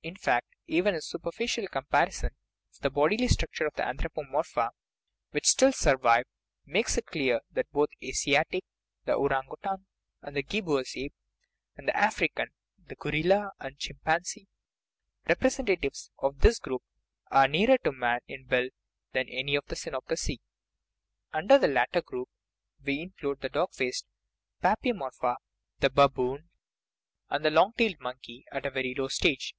In fact, even a superficial comparison of the bodily structure of the anthropomorpha which still survive makes it clear that both the Asiatic (the orang outang and the gibbous ape) and the African (the gorilla and chimpanzee) rep resentatives of this group are nearer to man in build than any of the cynopitheci. Under the latter group we include the dog faced papiomorpha, the baboon, and 36 OUR BODILY FRAME the long tailed monkey, at a very low stage.